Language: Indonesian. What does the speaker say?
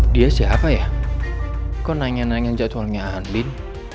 dia siapa ya kok nanya nanya jadwalnya andien